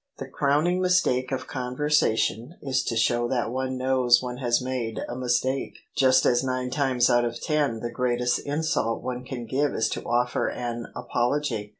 The crowning mistake of conversation is to show that one knows one has made a mistake: just as nine times out of ten the greatest insult one can offer is to offer an apology.